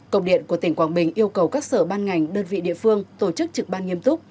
công điện của tỉnh quảng bình yêu cầu các sở ban ngành đơn vị địa phương tổ chức trực ban nghiêm túc